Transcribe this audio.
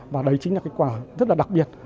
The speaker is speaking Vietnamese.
và đấy chính là cái quả rất là đặc biệt